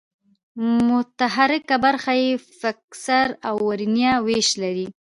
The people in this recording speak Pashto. متحرکه برخه یې فکسر او ورنیه وېش لري.